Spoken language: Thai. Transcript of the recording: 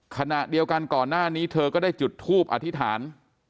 ขณะเดียวกันก่อนหน้านี้เธอก็ได้จุดทูปอธิษฐาน